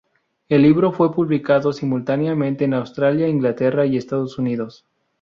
El libro fue publicado simultáneamente en Australia, Inglaterra y Estados Unidos.